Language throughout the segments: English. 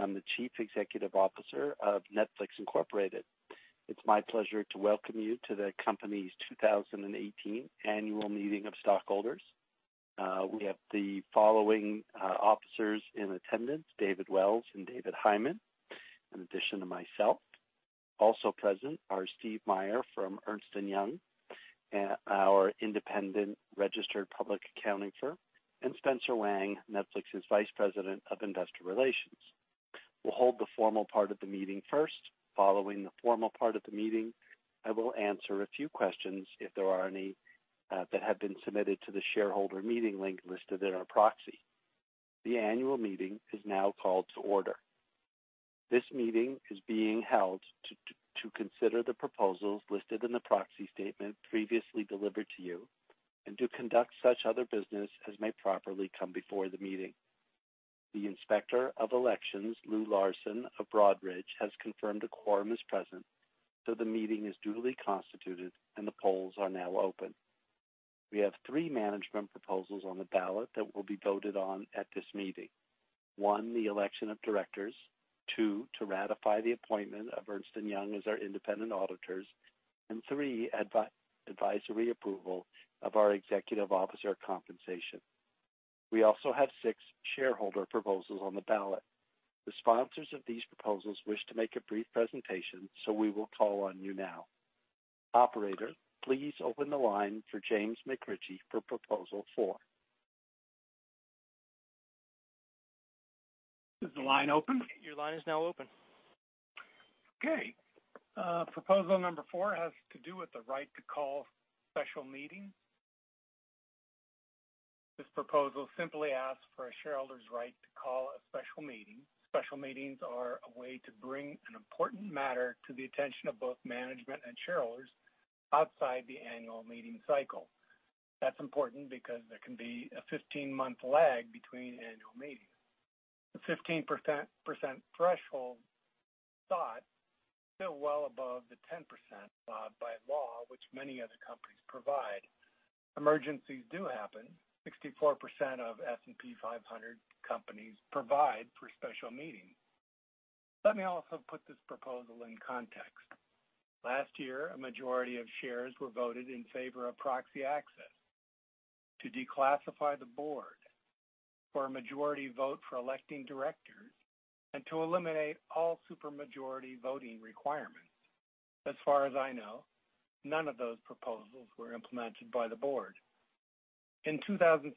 I'm the Chief Executive Officer of Netflix, Inc. It's my pleasure to welcome you to the company's 2018 Annual Meeting of Stockholders. We have the following officers in attendance, David Wells and David Hyman, in addition to myself. Also present are Steve Meyer from Ernst & Young, our independent registered public accounting firm, and Spencer Wang, Netflix's Vice President of Investor Relations. We'll hold the formal part of the meeting first. Following the formal part of the meeting, I will answer a few questions if there are any that have been submitted to the shareholder meeting link listed in our proxy. The annual meeting is now called to order. This meeting is being held to consider the proposals listed in the proxy statement previously delivered to you, and to conduct such other business as may properly come before the meeting. The Inspector of Elections, Lou Larson of Broadridge, has confirmed a quorum is present, the meeting is duly constituted and the polls are now open. We have three management proposals on the ballot that will be voted on at this meeting. One, the election of directors. Two, to ratify the appointment of Ernst & Young as our independent auditors. Three, advisory approval of our executive officer compensation. We also have six shareholder proposals on the ballot. The sponsors of these proposals wish to make a brief presentation, we will call on you now. Operator, please open the line for James McRitchie for proposal four. Is the line open? Your line is now open. Okay. Proposal number four has to do with the right to call special meetings. This proposal simply asks for a shareholder's right to call a special meeting. Special meetings are a way to bring an important matter to the attention of both management and shareholders outside the annual meeting cycle. That's important because there can be a 15-month lag between annual meetings. The 15% threshold sought still well above the 10% allowed by law, which many other companies provide. Emergencies do happen. 64% of S&P 500 companies provide for special meetings. Let me also put this proposal in context. Last year, a majority of shares were voted in favor of proxy access to declassify the board for a majority vote for electing directors and to eliminate all super majority voting requirements. As far as I know, none of those proposals were implemented by the board. In 2016,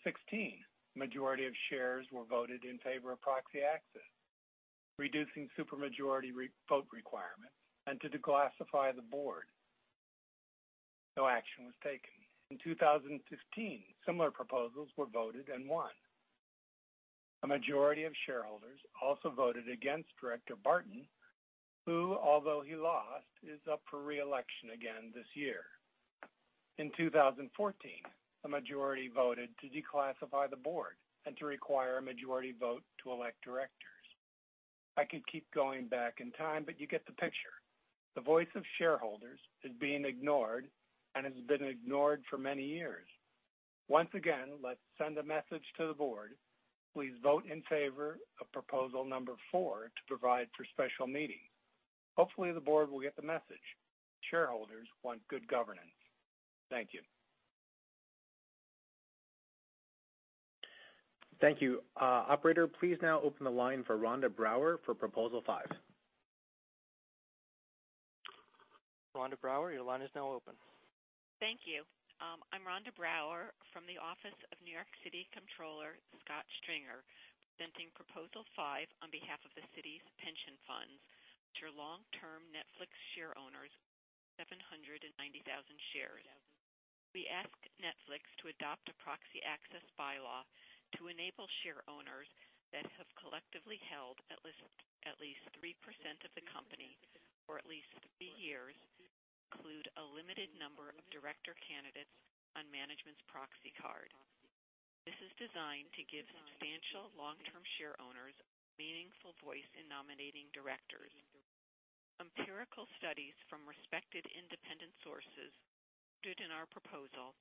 majority of shares were voted in favor of proxy access, reducing super majority vote requirements, and to declassify the board. No action was taken. In 2015, similar proposals were voted and won. A majority of shareholders also voted against Director Barton, who, although he lost, is up for re-election again this year. In 2014, a majority voted to declassify the board and to require a majority vote to elect directors. I could keep going back in time, but you get the picture. The voice of shareholders is being ignored and has been ignored for many years. Once again, let's send a message to the board. Please vote in favor of proposal number four to provide for special meetings. Hopefully, the board will get the message. Shareholders want good governance. Thank you. Thank you. Operator, please now open the line for Rhonda Brower for proposal five. Rhonda Brower, your line is now open. Thank you. I'm Rhonda Brower from the Office of the New York City Comptroller, Scott Stringer, presenting proposal five on behalf of the city's pension funds to long-term Netflix share owners, 790,000 shares. We ask Netflix to adopt a proxy access bylaw to enable share owners that have collectively held at least 3% of the company for at least three years include a limited number of director candidates on management's proxy card. This is designed to give substantial long-term share owners a meaningful voice in nominating directors. Empirical studies from respected independent sources included in our proposal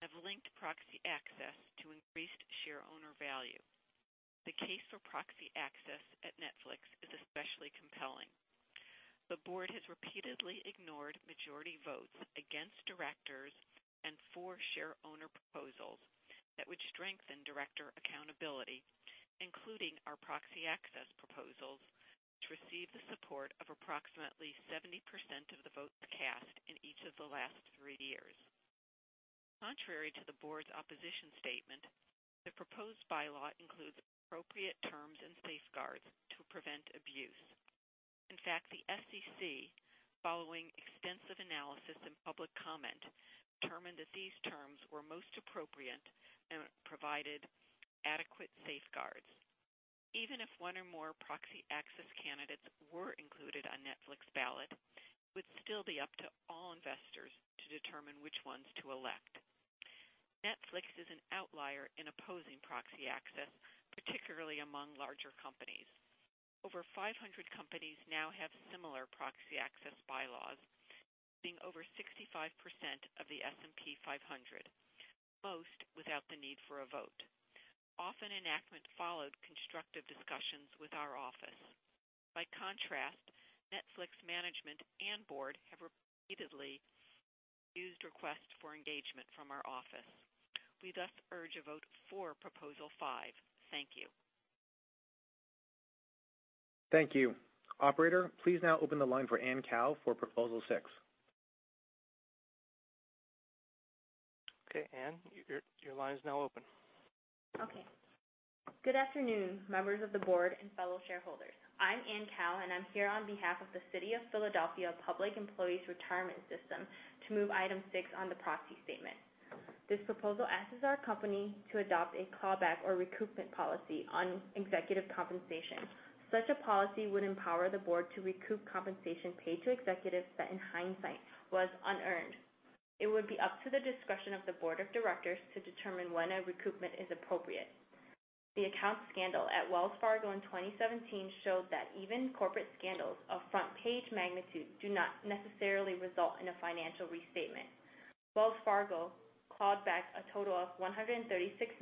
have linked proxy access to increased share owner value. The case for proxy access at Netflix is especially compelling. The board has repeatedly ignored majority votes against directors and for share owner proposals that would strengthen director accountability, including our proxy access proposals, which received the support of approximately 70% of the votes cast in each of the last three years. Contrary to the board's opposition statement, the proposed bylaw includes appropriate terms and safeguards to prevent abuse. In fact, the SEC, following extensive analysis and public comment, determined that these terms were most appropriate and provided adequate safeguards. Even if one or more proxy access candidates were included on Netflix ballot, it would still be up to all investors to determine which ones to elect. Netflix is an outlier in opposing proxy access, particularly among larger companies. Over 500 companies now have similar proxy access bylaws. Being over 65% of the S&P 500, most without the need for a vote. Often enactment followed constructive discussions with our office. By contrast, Netflix management and board have repeatedly refused requests for engagement from our office. We thus urge a vote for proposal five. Thank you. Thank you. Operator, please now open the line for Anne Cao for proposal six. Okay, Anne, your line is now open. Okay. Good afternoon, members of the board and fellow shareholders. I'm Anne Cao, and I'm here on behalf of the City of Philadelphia Public Employees Retirement System to move item six on the proxy statement. This proposal asks our company to adopt a callback or recoupment policy on executive compensation. Such a policy would empower the board to recoup compensation paid to executives that in hindsight was unearned. It would be up to the discretion of the board of directors to determine when a recoupment is appropriate. The account scandal at Wells Fargo in 2017 showed that even corporate scandals of front-page magnitude do not necessarily result in a financial restatement. Wells Fargo clawed back a total of $136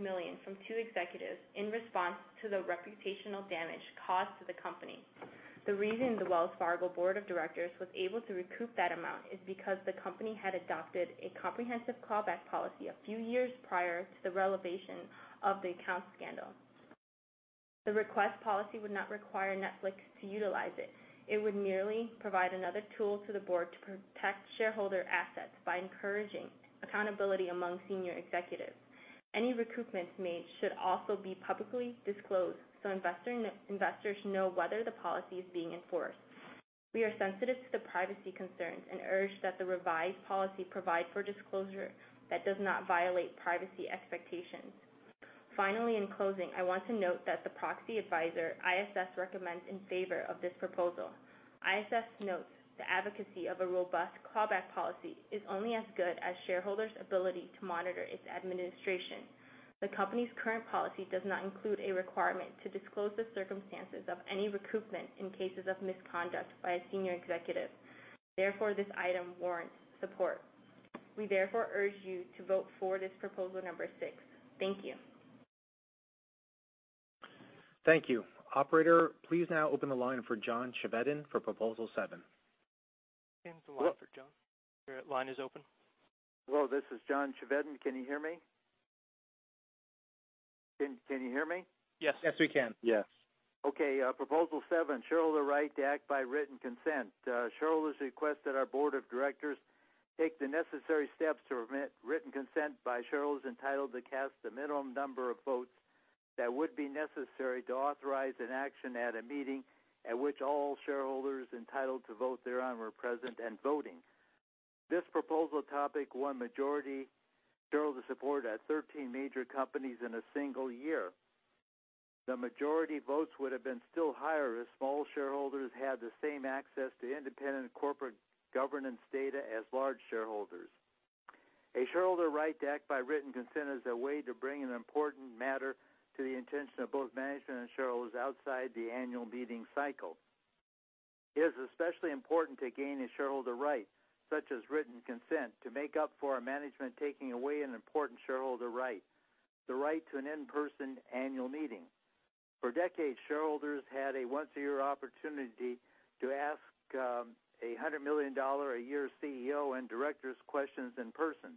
million from two executives in response to the reputational damage caused to the company. The reason the Wells Fargo board of directors was able to recoup that amount is because the company had adopted a comprehensive callback policy a few years prior to the revelation of the accounts scandal. The request policy would not require Netflix to utilize it. It would merely provide another tool to the board to protect shareholder assets by encouraging accountability among senior executives. Any recoupments made should also be publicly disclosed so investors know whether the policy is being enforced. We are sensitive to the privacy concerns and urge that the revised policy provide for disclosure that does not violate privacy expectations. Finally, in closing, I want to note that the proxy advisor ISS recommends in favor of this proposal. ISS notes the advocacy of a robust callback policy is only as good as shareholders' ability to monitor its administration. The company's current policy does not include a requirement to disclose the circumstances of any recoupment in cases of misconduct by a senior executive. Therefore, this item warrants support. We therefore urge you to vote for this proposal number six. Thank you. Thank you. Operator, please now open the line for John Chevedden for proposal seven. Opening the line for John. Your line is open. Hello, this is John Chevedden. Can you hear me? Can you hear me? Yes. Yes, we can. Yes. Okay, proposal seven, shareholder right to act by written consent. Shareholders request that our board of directors take the necessary steps to permit written consent by shareholders entitled to cast the minimum number of votes that would be necessary to authorize an action at a meeting at which all shareholders entitled to vote thereon were present and voting. This proposal topic won majority shareholder support at 13 major companies in a single year. The majority votes would have been still higher if small shareholders had the same access to independent corporate governance data as large shareholders. A shareholder right to act by written consent is a way to bring an important matter to the attention of both management and shareholders outside the annual meeting cycle. It is especially important to gain a shareholder right, such as written consent, to make up for our management taking away an important shareholder right, the right to an in-person annual meeting. For decades, shareholders had a once-a-year opportunity to ask a $100 million a year CEO and directors questions in person.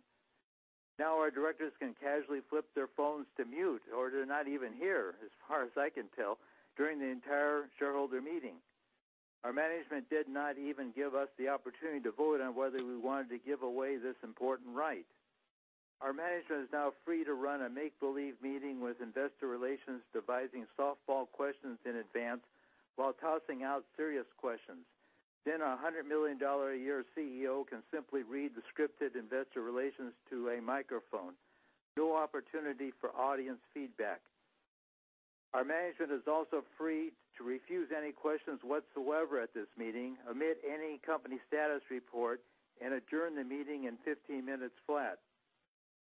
Now, our directors can casually flip their phones to mute, or they're not even here, as far as I can tell, during the entire shareholder meeting. Our management did not even give us the opportunity to vote on whether we wanted to give away this important right. Our management is now free to run a make-believe meeting with investor relations, devising softball questions in advance while tossing out serious questions. A $100 million a year CEO can simply read the scripted investor relations to a microphone. No opportunity for audience feedback. Our management is also free to refuse any questions whatsoever at this meeting, omit any company status report, and adjourn the meeting in 15 minutes flat.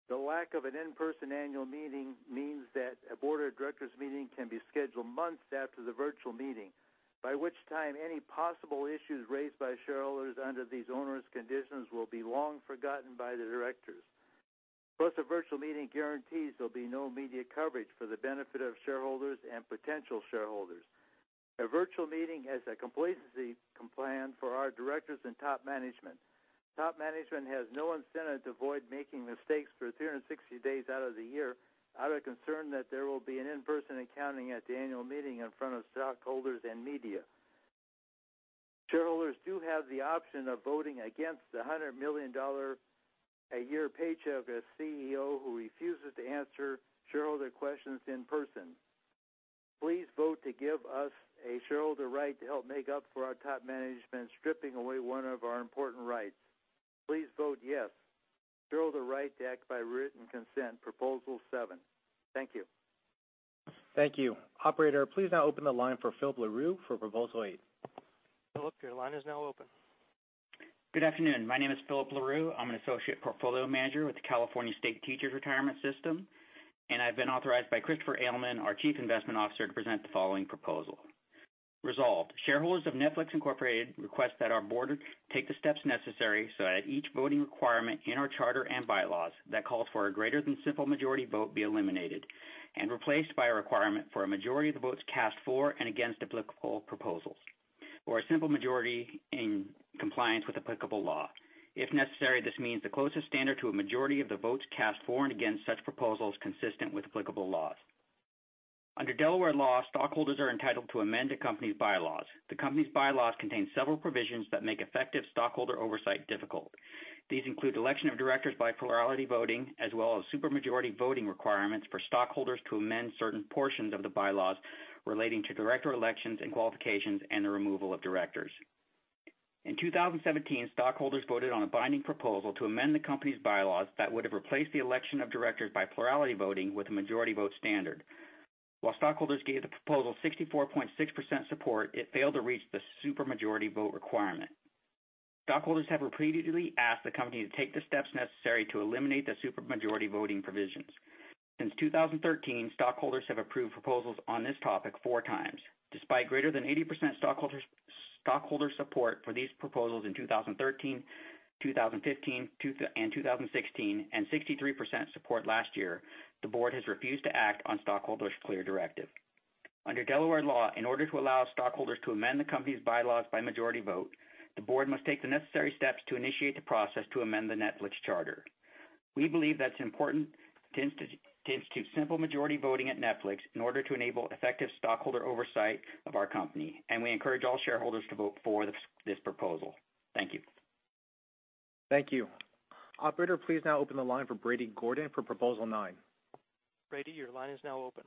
The lack of an in-person annual meeting means that a board of directors meeting can be scheduled months after the virtual meeting, by which time any possible issues raised by shareholders under these onerous conditions will be long forgotten by the directors. A virtual meeting guarantees there will be no media coverage for the benefit of shareholders and potential shareholders. A virtual meeting is a complacency plan for our directors and top management. Top management has no incentive to avoid making mistakes for 360 days out of the year out of concern that there will be an in-person accounting at the annual meeting in front of stockholders and media. Shareholders do have the option of voting against the $100 million a year paycheck of a CEO who refuses to answer shareholder questions in person. Please vote to give us a shareholder right to help make up for our top management stripping away one of our important rights. Please vote yes. Shareholder right to act by written consent, proposal seven. Thank you. Thank you. Operator, please now open the line for Philip L'Heureux for proposal eight. Philip, your line is now open. Good afternoon. My name is Philip L'Heureux. I'm an associate portfolio manager with the California State Teachers' Retirement System, and I've been authorized by Christopher Ailman, our Chief Investment Officer, to present the following proposal. Resolved, shareholders of Netflix, Inc. request that our board take the steps necessary so that each voting requirement in our charter and bylaws that calls for a greater than simple majority vote be eliminated and replaced by a requirement for a majority of the votes cast for and against applicable proposals, or a simple majority in compliance with applicable law. If necessary, this means the closest standard to a majority of the votes cast for and against such proposals consistent with applicable laws. Under Delaware law, stockholders are entitled to amend a company's bylaws. The company's bylaws contain several provisions that make effective stockholder oversight difficult. These include election of directors by plurality voting, as well as super majority voting requirements for stockholders to amend certain portions of the bylaws relating to director elections and qualifications and the removal of directors. In 2017, stockholders voted on a binding proposal to amend the company's bylaws that would have replaced the election of directors by plurality voting with a majority vote standard. While stockholders gave the proposal 64.6% support, it failed to reach the super majority vote requirement. Stockholders have repeatedly asked the company to take the steps necessary to eliminate the super majority voting provisions. Since 2013, stockholders have approved proposals on this topic four times. Despite greater than 80% stockholder support for these proposals in 2013, 2015, and 2016, and 63% support last year, the board has refused to act on stockholders' clear directive. Under Delaware law, in order to allow stockholders to amend the company's bylaws by majority vote, the board must take the necessary steps to initiate the process to amend the Netflix charter. We believe that it's important to institute simple majority voting at Netflix in order to enable effective stockholder oversight of our company, and we encourage all shareholders to vote for this proposal. Thank you. Thank you. Operator, please now open the line for Brady Gordon for proposal nine. Brady, your line is now open.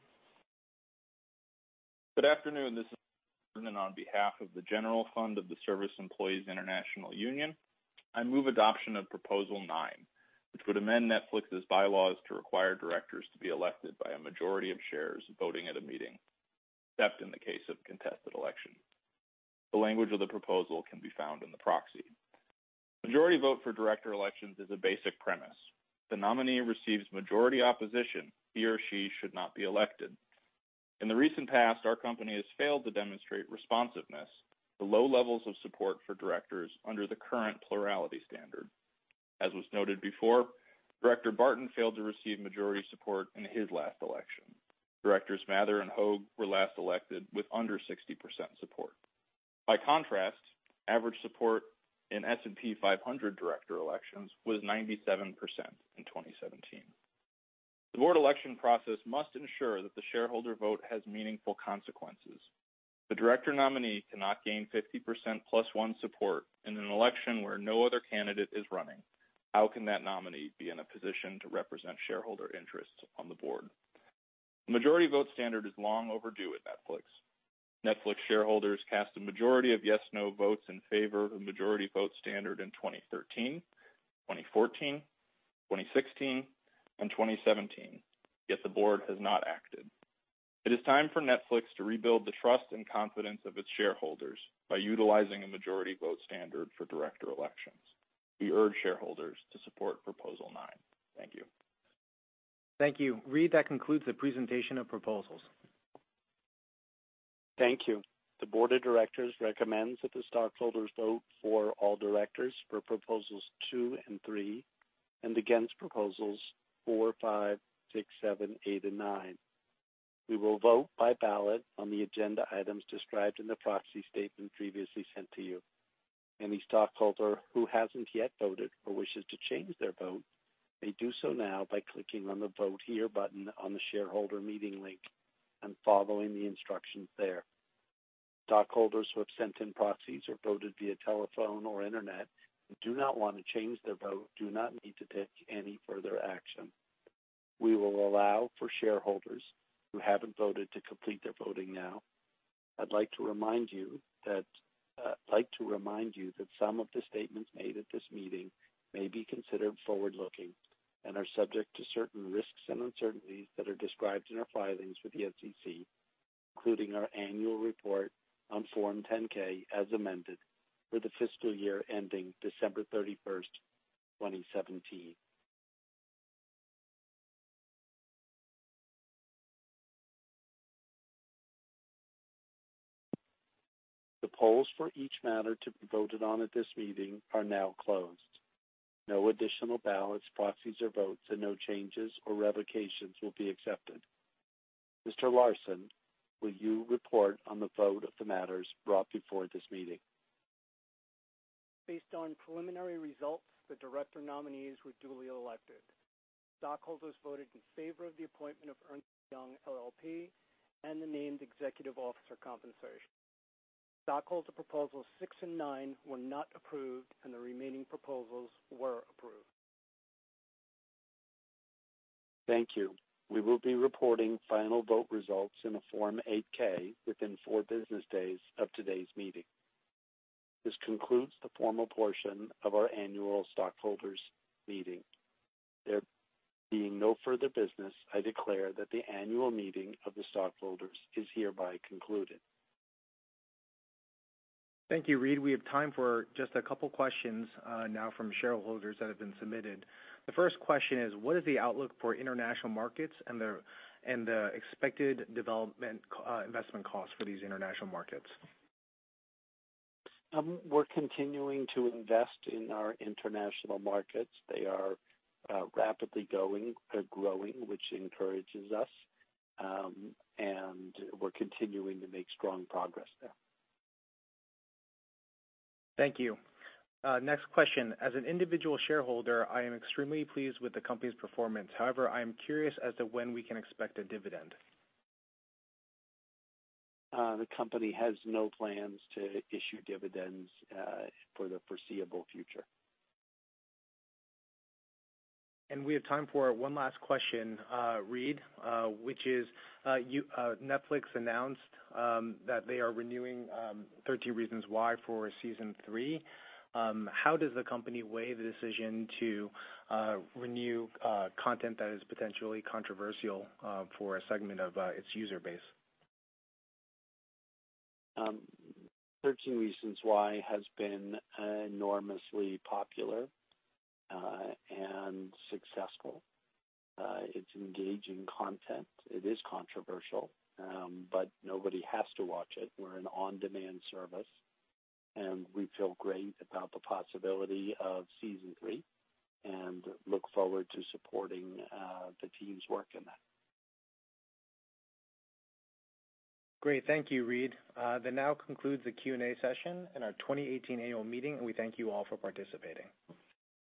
Good afternoon. This is Gordon on behalf of the General Fund of the Service Employees International Union. I move adoption of proposal nine, which would amend Netflix's bylaws to require directors to be elected by a majority of shares voting at a meeting, except in the case of contested election. The language of the proposal can be found in the proxy. Majority vote for director elections is a basic premise. If the nominee receives majority opposition, he or she should not be elected. In the recent past, our company has failed to demonstrate responsiveness to low levels of support for directors under the current plurality standard. As was noted before, Director Barton failed to receive majority support in his last election. Directors Mather and Hoag were last elected with under 60% support. By contrast, average support in S&P 500 director elections was 97% in 2017. The board election process must ensure that the shareholder vote has meaningful consequences. If the director nominee cannot gain 50% plus one support in an election where no other candidate is running, how can that nominee be in a position to represent shareholder interests on the board? The majority vote standard is long overdue at Netflix. Netflix shareholders cast a majority of yes/no votes in favor of a majority vote standard in 2013, 2014, 2016, and 2017, yet the board has not acted. It is time for Netflix to rebuild the trust and confidence of its shareholders by utilizing a majority vote standard for director elections. We urge shareholders to support proposal nine. Thank you. Thank you. Reed, that concludes the presentation of proposals. Thank you. The board of directors recommends that the stockholders vote for all directors for proposals two and three, and against proposals four, five, six, seven, eight, and nine. We will vote by ballot on the agenda items described in the proxy statement previously sent to you. Any stockholder who hasn't yet voted or wishes to change their vote may do so now by clicking on the Vote Here button on the shareholder meeting link and following the instructions there. Stockholders who have sent in proxies or voted via telephone or internet and do not want to change their vote do not need to take any further action. We will allow for shareholders who haven't voted to complete their voting now. I'd like to remind you that some of the statements made at this meeting may be considered forward-looking and are subject to certain risks and uncertainties that are described in our filings with the SEC, including our annual report on Form 10-K as amended for the fiscal year ending December 31st, 2017. The polls for each matter to be voted on at this meeting are now closed. No additional ballots, proxies, or votes, and no changes or revocations will be accepted. Mr. Larson, will you report on the vote of the matters brought before this meeting? Based on preliminary results, the director nominees were duly elected. Stockholders voted in favor of the appointment of Ernst & Young LLP and the named executive officer compensation. Stockholder proposals six and nine were not approved, and the remaining proposals were approved. Thank you. We will be reporting final vote results in a Form 8-K within four business days of today's meeting. This concludes the formal portion of our annual stockholders meeting. There being no further business, I declare that the annual meeting of the stockholders is hereby concluded. Thank you, Reed. We have time for just a couple questions now from shareholders that have been submitted. The first question is, what is the outlook for international markets and the expected development investment costs for these international markets? We're continuing to invest in our international markets. They are rapidly growing, which encourages us. We're continuing to make strong progress there. Thank you. Next question. As an individual shareholder, I am extremely pleased with the company's performance. However, I am curious as to when we can expect a dividend. The company has no plans to issue dividends for the foreseeable future. We have time for one last question, Reed, which is, Netflix announced that they are renewing "13 Reasons Why" for season three. How does the company weigh the decision to renew content that is potentially controversial for a segment of its user base? 13 Reasons Why" has been enormously popular and successful. It's engaging content. It is controversial, nobody has to watch it. We're an on-demand service, we feel great about the possibility of season three and look forward to supporting the team's work in that. Great. Thank you, Reed. That now concludes the Q&A session and our 2018 annual meeting, we thank you all for participating.